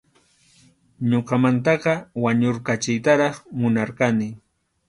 Ñuqamantaqa wañurqachiytaraq munarqani.